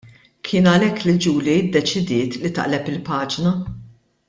Kien għalhekk li Julie ddeċidiet li taqleb il-paġna.